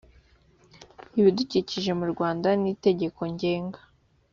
ibidukikije mu rwanda n itegeko ngenga